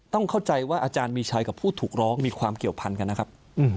ต้องเข้าใจว่าอาจารย์มีชัยกับผู้ถูกร้องมีความเกี่ยวพันกันนะครับ